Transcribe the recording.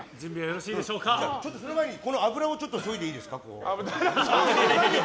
その前に脂をそいでいいですか。